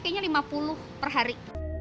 kayaknya lima puluh per hari